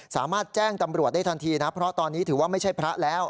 สามารถแจ้งตำรวจได้ทันทีนะเพราะตอนนี้ถือว่าไม่ใช่พระแล้ว